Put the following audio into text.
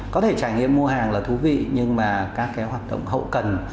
có thể trải nghiệm mua hàng là thú vị nhưng mà các cái hoạt động hậu cần